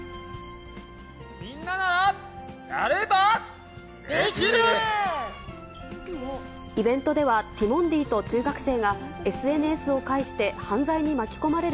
みんななら、やれば、できる！